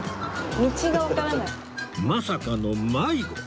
まさかの迷子！